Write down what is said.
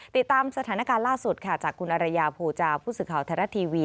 ติดตามสถานการณ์ล่าสุดค่ะจากคุณอรยาโภจาผู้สื่อข่าวไทยรัฐทีวี